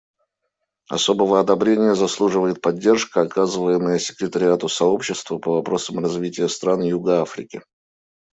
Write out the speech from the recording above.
Особого одобрения заслуживает поддержка, оказываемая секретариату Сообщества по вопросам развития стран юга Африки.